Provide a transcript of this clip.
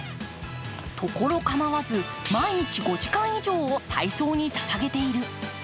ところ構わず毎日５時間以上を体操にささげている。